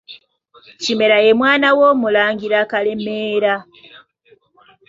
Kimera ye mwana w’omulangira Kalemeera.